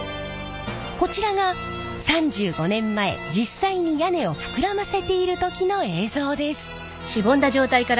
こちらが３５年前実際に屋根を膨らませている時の映像です。